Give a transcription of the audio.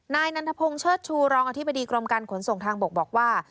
นายนันทพงศ์เชิดชูรองอธิบดีกรมการขนส่งทางบกบอกว่า